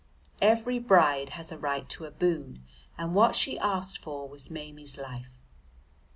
Every bride has a right to a boon, and what she asked for was Maimie's life.